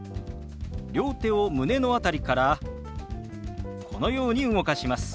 両手を胸の辺りからこのように動かします。